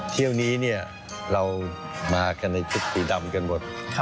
เที่ยวนี้เรามากันในชุดสีดำกันหมด